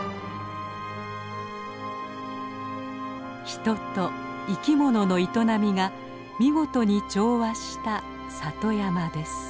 人と生きものの営みが見事に調和した里山です。